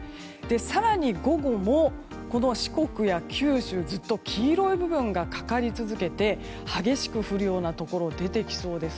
更に午後も、四国や九州ずっと黄色い部分がかかり続けて激しく降るようなところが出てきそうです。